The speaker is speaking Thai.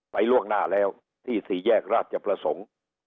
ล่วงหน้าแล้วที่สี่แยกราชประสงค์